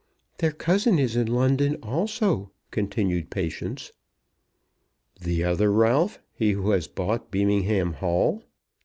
"Their cousin is in London also," continued Patience. "The other Ralph; he who has bought Beamingham Hall?"